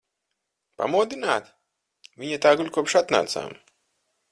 Pamodināt? Viņa tā guļ, kopš atnācām.